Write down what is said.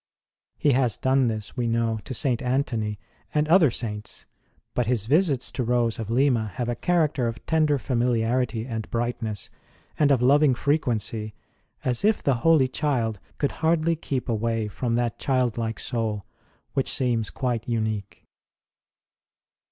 He has done this, we know, to St. Antony and other Saints ; but His visits to Rose of Lima have a character of tender familiarity and brightness, and of loving frequency as if the Holy Child could hardly keep away from that childlike soul which seems quite unique.